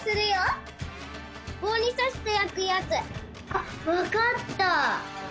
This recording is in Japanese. あっわかった！